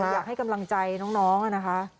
อยากให้กำลังใจน้องนะคะ